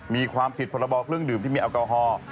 มีความผิดพรบเครื่องดื่มที่มีแอลกอฮอล์